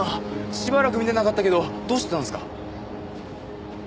しばらく見てなかったけどどうしてたんですか？